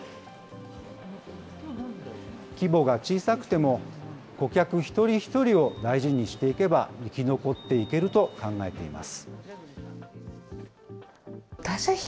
規模が小さくても顧客一人一人を大事にしていけば、生き残っていけると考えています。